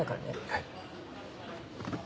はい。